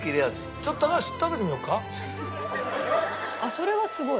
それはすごい。